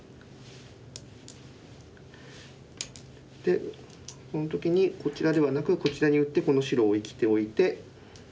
でこの時にこちらではなくこちらに打ってこの白を生きておいて。